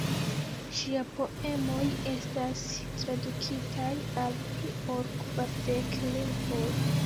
Ŝia poemoj estas tradukitaj al pli ol kvardek lingvoj.